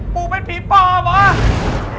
ปู่เป็นผีปลอบเหรอ